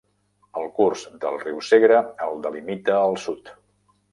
El curs del riu Segre el delimita al sud.